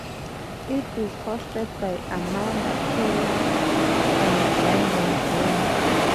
It is hosted by Amanda Keller and Brendan Jones.